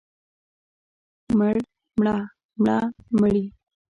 مړ، مړه، مړه، مړې.